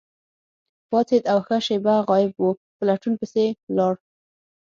پاڅید او ښه شیبه غایب وو، په لټون پسې ولاړ.